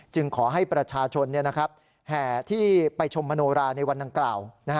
ขอให้ประชาชนแห่ที่ไปชมมโนราในวันดังกล่าว